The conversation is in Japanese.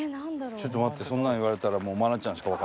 ちょっと待ってそんなん言われたらもう。